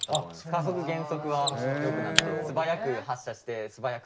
加速・減速は良くなって素早く発車して素早く止まって。